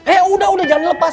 eh udah udah jalan lepas